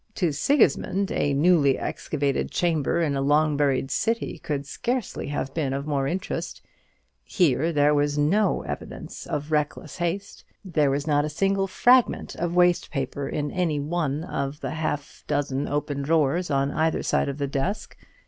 To Sigismund a newly excavated chamber in a long buried city could scarcely have been more interesting. Here there was no evidence of reckless haste. There was not a single fragment of waste paper in any one of the half dozen open drawers on either side of the desk.